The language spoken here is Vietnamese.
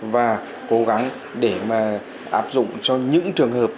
và cố gắng để mà áp dụng cho những trường hợp